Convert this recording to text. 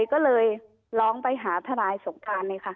ก็เลยล้องไปหาทนายสงการ